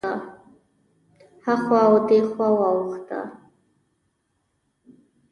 هخوا او دېخوا واوښته.